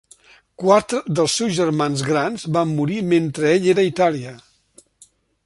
Quatre dels seus germans grans van morir mentre ell era a Itàlia.